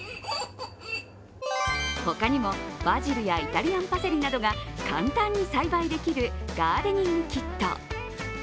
他にも、バジルやイタリアンパセリなどが簡単に栽培できるガーデニングキット。